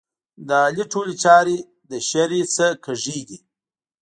د علي ټولې چارې له شرعې نه کېږي دي.